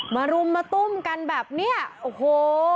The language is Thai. รุมมาตุ้มกันแบบเนี้ยโอ้โห